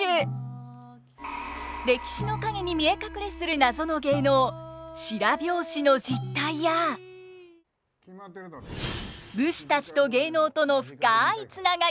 歴史の陰に見え隠れする謎の芸能白拍子の実態や武士たちと芸能との深いつながりに迫ります。